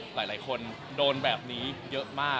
คือแฟนคลับเขามีเด็กเยอะด้วย